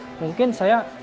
perang merah assalamu